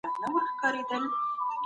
زرین انځور داستانونو ته نوې ساه ورکړه.